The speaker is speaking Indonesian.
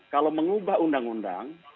kalau mengubah undang undang